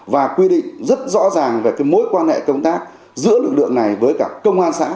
và quy định rất rõ ràng về cái mối quan hệ công tác giữa lực lượng này với cả công an xã